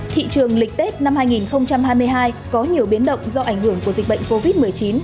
thị trường lịch tết năm hai nghìn hai mươi hai có nhiều biến động do ảnh hưởng của dịch bệnh covid một mươi chín